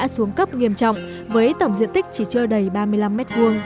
xuống cấp nghiêm trọng với tổng diện tích chỉ chưa đầy ba mươi năm m hai